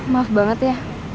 maaf banget ya